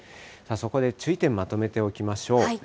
そこで注意点まとめておきましょう。